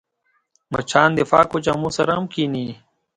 مچان د پاکو جامو سره هم کښېني